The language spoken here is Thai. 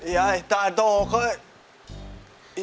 ยายตาโตเขา